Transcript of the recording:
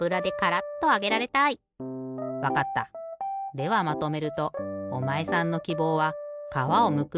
ではまとめるとおまえさんのきぼうは「かわをむく」